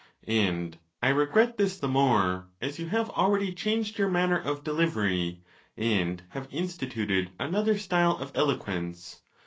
And I regret this the more, as you have already changed your manner of delivery, and have instituted another style of eloquence.